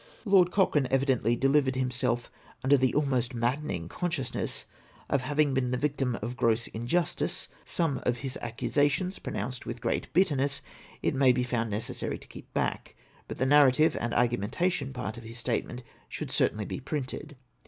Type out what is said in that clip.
Lord Cochrane OPINIONS OF THE PRESS. 485 evidently delivered himself under the almost maddening consciousness of having been the victim of gross injustice; some of his accusations, pronounced with great bitterness, it may be found necessary to keep back ; but the narrative and argumentative part of his statement should certainly be printed.